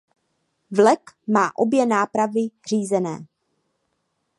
Vlek má obě nápravy řízené.